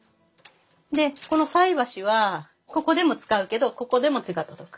でこの菜箸はここでも使うけどここでも手が届く。